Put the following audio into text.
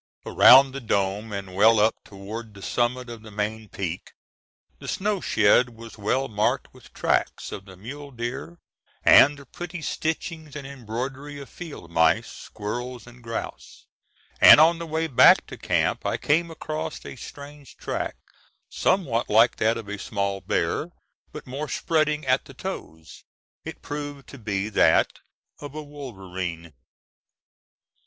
Around the dome and well up toward the summit of the main peak, the snow shed was well marked with tracks of the mule deer and the pretty stitching and embroidery of field mice, squirrels, and grouse; and on the way back to camp I came across a strange track, somewhat like that of a small bear, but more spreading at the toes. It proved to be that of a wolverine.